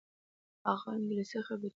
هغه انګلیسي خبرې کوي.